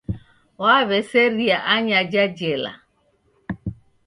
Waw'eseria anyaja jela.